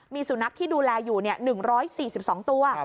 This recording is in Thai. มีสุนัขที่ดูแลอยู่๑๔๒ตัว